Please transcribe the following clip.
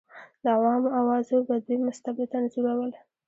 د عوامو اوازو به دوی مستبد انځورول.